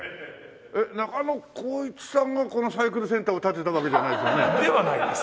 中野浩一さんがこのサイクルセンターを建てたわけじゃないですよね？ではないです。